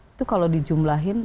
itu kalau dijumlahin